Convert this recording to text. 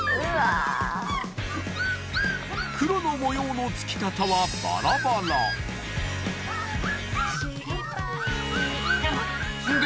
黒の模様のつき方はバラバラんで